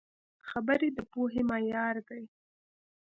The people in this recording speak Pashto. خبرې د پوهې معیار دي